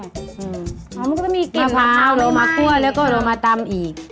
มันก็จะมีเก็บมะพร้าวไม่ไหมมะพร้าวเรามาคั่วแล้วก็เรามาตำอีก